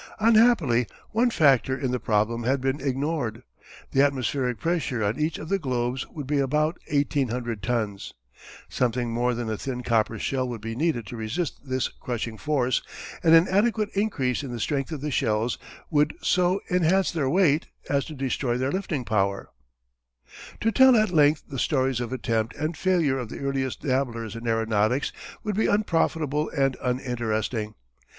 Unhappily one factor in the problem had been ignored. The atmospheric pressure on each of the globes would be about 1800 tons. Something more than a thin copper shell would be needed to resist this crushing force and an adequate increase in the strength of the shells would so enhance their weight as to destroy their lifting power. [Illustration: Lana's Vacuum Balloon.] To tell at length the stories of attempt and failure of the earliest dabblers in aeronautics would be unprofitable and uninteresting.